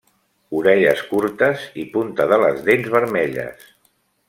Orelles curtes i punta de les dents vermelles.